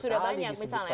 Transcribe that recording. sudah banyak misalnya